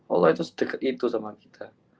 allah itu sedekat itu sama kita